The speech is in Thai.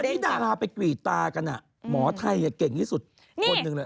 นี่ดาราไปกรีดตากันหมอไทยเก่งที่สุดคนหนึ่งเลย